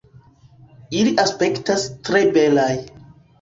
Ili aspektas tre belaj.